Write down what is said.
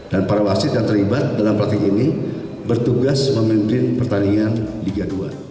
dan para wasit yang terlibat dalam pelatihan ini bertugas memimpin pertandingan liga dua